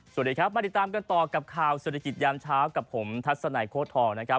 สวัสดีครับมาติดตามกันต่อกับข่าวเศรษฐกิจยามเช้ากับผมทัศนัยโค้ดทองนะครับ